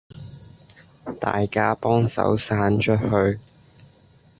大家幫手散出去